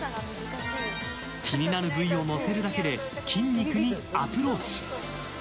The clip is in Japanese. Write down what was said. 気になる部位を乗せるだけで筋肉にアプローチ。